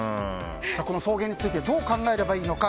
送迎についてどう考えればいいのか。